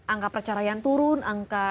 angka perceraian turun angka